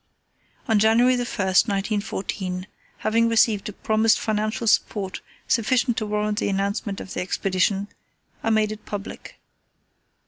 On January 1, 1914, having received a promised financial support sufficient to warrant the announcement of the Expedition, I made it public.